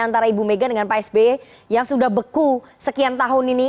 antara ibu mega dengan pak sby yang sudah beku sekian tahun ini